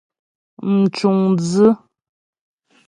Mcuŋdzʉ́.